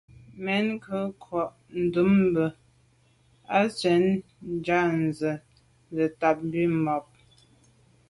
Mɛ́n cwɛ̌d krwâ' ndɛ̂mbə̄ á cwɛ̌d tsjɑ́ŋə́ zə̄ tâp bû mâp.